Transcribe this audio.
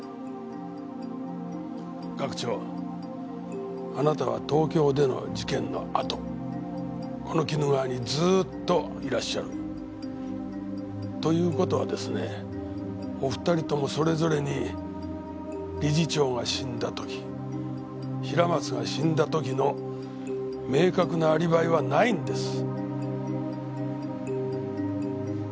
学長あなたは東京での事件のあとこの鬼怒川にずーっといらっしゃる。という事はですねお２人ともそれぞれに理事長が死んだ時平松が死んだ時の明確なアリバイはないんです。